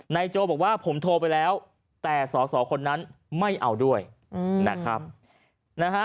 โจบอกว่าผมโทรไปแล้วแต่สอสอคนนั้นไม่เอาด้วยนะครับนะฮะ